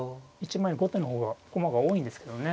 １枚後手の方が駒が多いんですけどね。